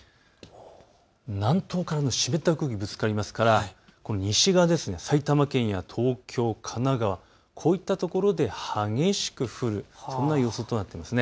南東からの湿った空気がぶつかりますから西側、埼玉県や東京、神奈川、こういったところで激しく降る、そんな予想となっています。